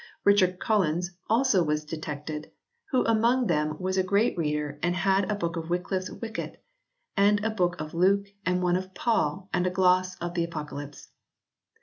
Richard Collins also was de tected "who among them was a great reader and had a book of WyclifFe s Wicket, and a book of Luke and one of Paul and a gloss of the Apocalypse."